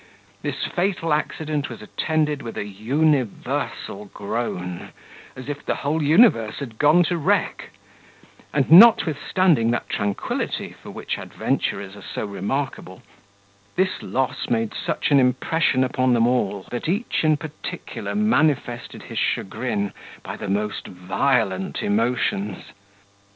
This fatal accident was attended with a universal groan, as if the whole universe had gone to wreck; and notwithstanding that tranquility for which adventurers are so remarkable, this loss made such an impression upon them all, that each in particular manifested his chagrin, by the most violent emotions.